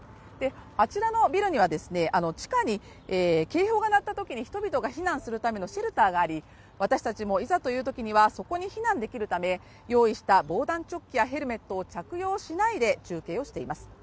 あちらのビルには地下に警報が鳴ったときに人々が避難するためのシェルターがあり、私たちもいざというときにはそこに避難できるため、用意した防弾チョッキやヘルメットを着用しないで中継しています。